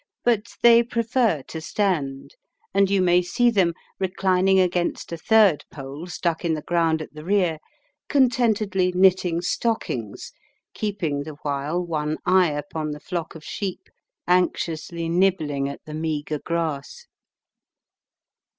But they prefer to stand; and you may see them, reclining against a third pole stuck in the ground at the rear, contentedly knitting stockings, keeping the while one eye upon the flock of sheep anxiously nibbling at the meagre grass.